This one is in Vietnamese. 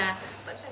vẫn vui được